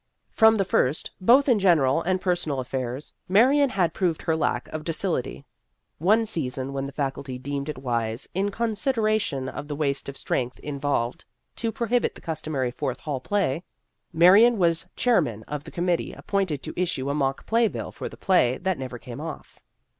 From the first, both in general and personal affairs, Marion had proved her lack of docility. One season when the Faculty deemed it wise, in con sideration of the waste of strength in volved, to prohibit the customary fourth hall play, Marion was chairman of the committee appointed to issue a mock play bill for the play that never came off.